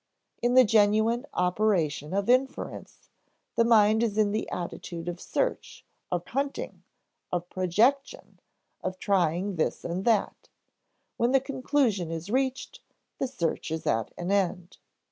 In the genuine operation of inference, the mind is in the attitude of search, of hunting, of projection, of trying this and that; when the conclusion is reached, the search is at an end.